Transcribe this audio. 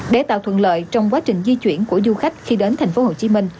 để tạo thuận lợi trong quá trình di chuyển của du khách khi đến tp hcm